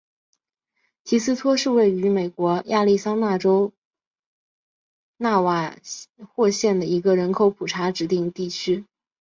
提斯托是位于美国亚利桑那州纳瓦霍县的一个人口普查指定地区。